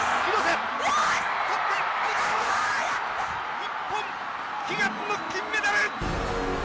日本、悲願の金メダル！